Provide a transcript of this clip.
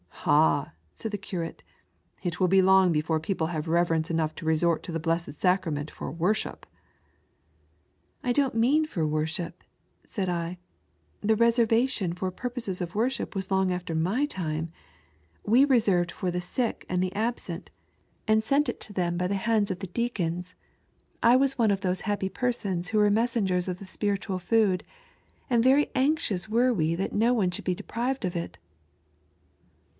Ah !" said the Curate, " it will be long before people have reverence enongh to resort to the Blessed Sacrament for worship." " I don't mean for worship," said I. " The reser vation for purposes of worship was long after my time. 'e reserved for the sick and the absent, and sent it r 42 OKLr A GHOST. to hem bj the hands of the deacons. I was one of those happy persons who were messengers of the spiritaal food — and very anxxona were we that no one shonld be deprived of it."